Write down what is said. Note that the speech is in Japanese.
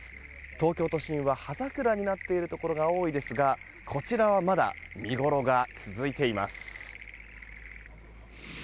東京都心は葉桜になっているところが多いですがこちらはまだ見ごろが続いています。